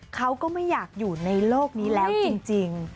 เขาก็ไม่อยากอยู่ในโลกนี้แล้วจริง